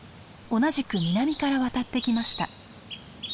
同じく南から渡ってきました。